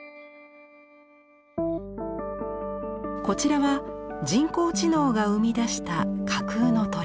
こちらは人工知能が生み出した架空の鳥。